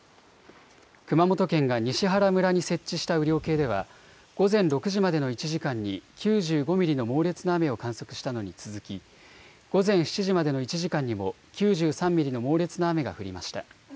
熊本県が西原村に設置した雨量計では午前６時までの１時間に９５ミリの猛烈な雨を観測したのに続き、午前７時までの１時間にも９３ミリの猛烈な雨が降りました。